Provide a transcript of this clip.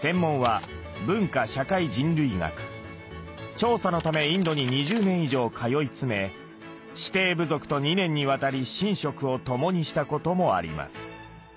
調査のためインドに２０年以上通い詰め指定部族と２年にわたり寝食をともにしたこともあります。